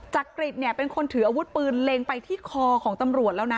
จักริตเนี่ยเป็นคนถืออาวุธปืนเล็งไปที่คอของตำรวจแล้วนะ